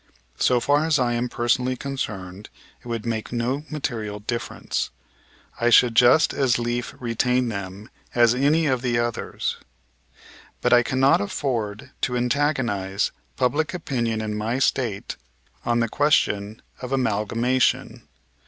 So far as I am personally concerned, it would make no material difference; I should just as lief retain them as any of the others. But I cannot afford to antagonize public opinion in my State on the question of amalgamation.